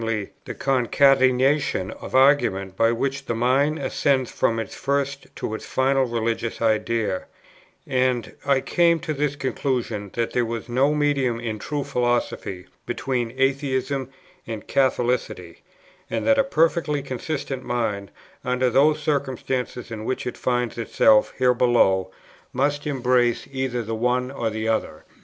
the concatenation of argument by which the mind ascends from its first to its final religious idea; and I came to the conclusion that there was no medium, in true philosophy, between Atheism and Catholicity, and that a perfectly consistent mind, under those circumstances in which it finds itself here below, must embrace either the one or the other.